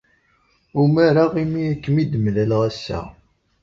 Umareɣ imi ay kem-id-mlaleɣ ass-a.